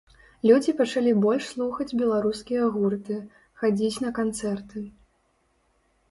Людзі пачалі больш слухаць беларускія гурты, хадзіць на канцэрты.